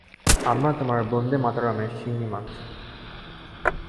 আমরা তোমার বন্দেমাতরমের শিন্নি মানছি।